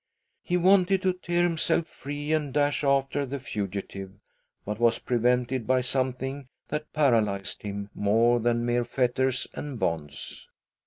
He wanted to tear himself free and dash after the fugitive,, but was prevented by something that paralysed him more than mere fetters and bonds.